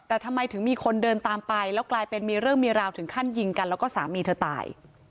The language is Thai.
แต่ทำไมถึงมีคนเดินตามไปแล้วกลายเป็นมีเรื่องมีราวถึงขั้นยิงกันแล้วก็สามีเธอตาย